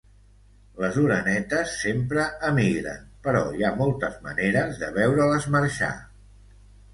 Les orenetes sempre emigren, però hi ha moltes maneres de veure-les marxar.